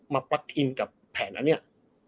มากับแผ่นอันเนี้ย